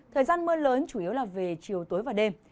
thời gian mưa lớn chủ yếu là về chiều tối và đêm